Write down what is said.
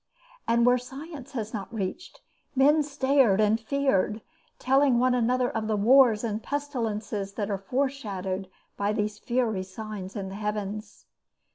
And where science has not reached, men stared and feared, telling one another of the wars and pestilences that are foreshadowed by these fiery signs in the Heavens.